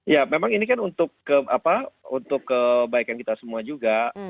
ya memang ini kan untuk kebaikan kita semua juga